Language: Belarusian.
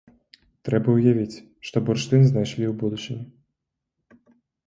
Трэба ўявіць, што бурштын знайшлі ў будучыні.